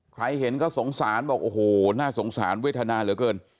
ใครเห็นก็สงสารบอกโอ้โหน่าสงสารเวทนาเหลือเกิน